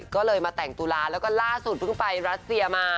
ก็เลยมาแต่งตุลาแล้วก็ล่าสุดเพิ่งไปรัสเซียมา